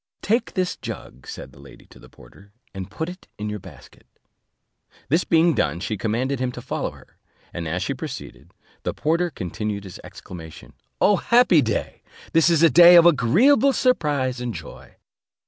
"Take this jug," said the lady to the porter, "and put it in your basket." This being done, she commanded him to follow her; and as she proceeded, the porter continued his exclamation, "O happy day! This is a day of agreeable surprise and joy."